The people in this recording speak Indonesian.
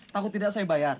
takut tidak saya bayar